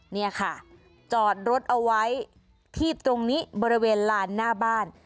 นี่ค่ะจอดรถเอาไว้ที่ตรงนี้บริเวณลานหน้าบ้าน